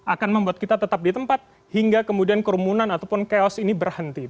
akan membuat kita tetap di tempat hingga kemudian kerumunan ataupun chaos ini berhenti